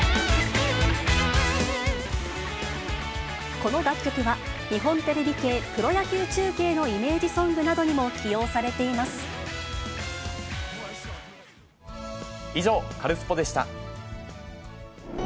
この楽曲は、日本テレビ系プロ野球中継のイメージソングなどにも起用されてい以上、カルスポっ！でした。